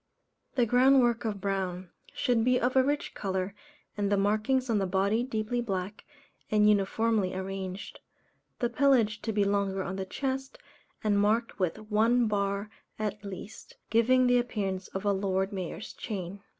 The ground work of brown, should be of a rich colour, and the markings on the body deeply black, and uniformly arranged. The pelage to be longer on the chest, and marked with one bar at least, giving the appearance of a Lord Mayor's Chain.